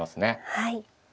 はい。